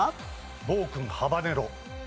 暴君ハバネロ。